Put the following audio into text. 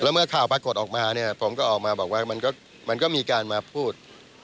เมื่อข่าวปรากฏออกมาเนี่ยผมก็ออกมาบอกว่ามันก็มีการมาพูด